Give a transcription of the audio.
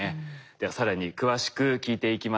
では更に詳しく聞いていきましょう。